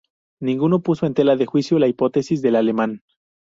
Ninguno puso en tela de juicio la hipótesis del alemán.